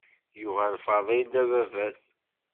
Yuɣal Faḍil d ababat.